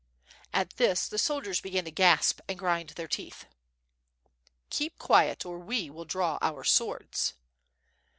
At this the soldiers began to gasp and grind their teeth, "Keep quiet, or we will draw our swords."